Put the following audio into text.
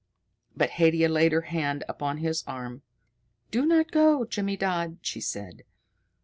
But Haidia laid her hand upon his arm. "Do not go, Jimmydodd," she said.